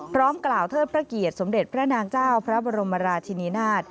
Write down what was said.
พร้อมกล่าวเทิดพระเกียรติสมเด็จพระนางเจ้าพระบรมราชินินาศ